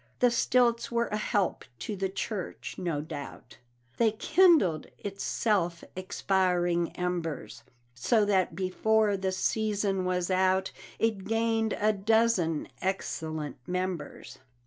The stilts were a help to the church, no doubt, They kindled its self expiring embers, So that before the season was out It gained a dozen excellent members.